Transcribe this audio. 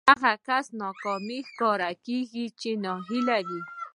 هغه کسان د ناکامۍ ښکار کېږي چې ناهيلي وي.